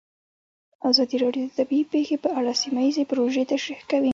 ازادي راډیو د طبیعي پېښې په اړه سیمه ییزې پروژې تشریح کړې.